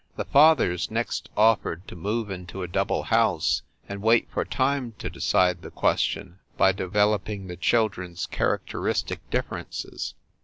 The fathers next offered to move into a double house and wait for time to decide the question by developing the chil dren s characteristic differences.